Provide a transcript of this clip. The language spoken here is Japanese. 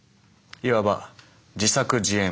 いわば自作自演。